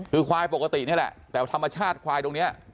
คือควายปกตินี่แหละแต่ธรรมชาติควายตรงนี้